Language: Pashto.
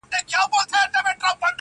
• خداى دي زما د ژوندون ساز جوړ كه.